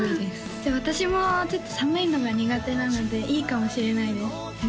じゃあ私もちょっと寒いのが苦手なのでいいかもしれないです